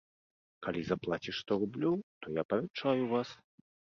Калі заплаціш сто рублёў, то я павянчаю вас.